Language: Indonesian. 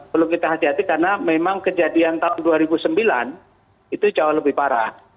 perlu kita hati hati karena memang kejadian tahun dua ribu sembilan itu jauh lebih parah